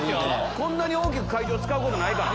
こんなに大きく会場使うことないから。